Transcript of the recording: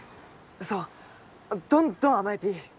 そうどんどん甘えていい。